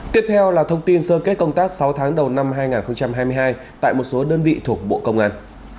tiếp theo là thông tin sơ kết công tác sáu tháng đầu năm hai nghìn hai mươi hai tại một số đơn vị thuộc bộ công an